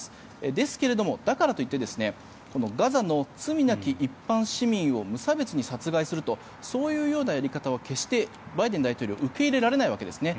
ですけれども、だからといってガザの罪なき一般市民を無差別に殺害するとそういうようなやり方は決してバイデン大統領は受け入れられないわけですね。